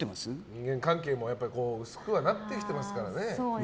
人間関係も薄くはなってきてますからね。